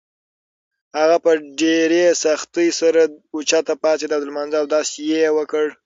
هغه په ډېرې سختۍ سره اوچته پاڅېده او د لمانځه اودس یې وکړ.